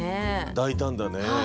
大胆だね。